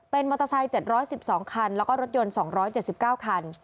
เป็นมอเตอร์ไซค์๗๑๒คันแล้วก็รถยนต์๒๗๙คัน